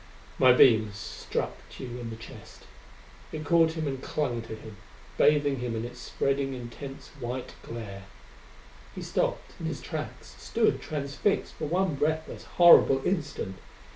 My beam struck Tugh in the chest. It caught him and clung to him, bathing him in its spreading, intense white glare. He stopped in his tracks; stood transfixed for one breathless, horrible instant!